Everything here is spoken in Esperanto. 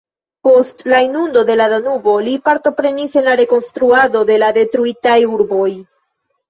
Post la Inundo de la Danubo li partoprenis en rekonstruado de la detruitaj urboj.